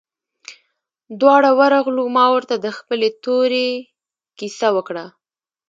دواړه ورغلو ما ورته د خپلې تورې كيسه وكړه.